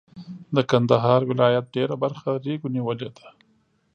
د کندهار ولایت ډېره برخه ریګو نیولې ده.